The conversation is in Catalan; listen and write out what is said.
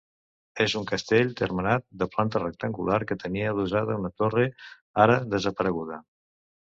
És un castell termenat, de planta rectangular que tenia adossada una torre, ara desapareguda.